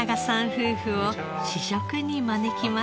夫婦を試食に招きました。